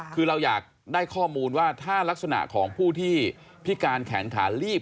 คือเราอยากได้ข้อมูลว่าถ้ารักษณะของผู้ที่พิการแขนขาลีบ